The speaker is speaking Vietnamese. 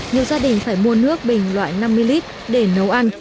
nhiều gia đình phải mua nước bình loại năm mươi lít để nấu ăn